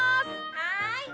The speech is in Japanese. はい。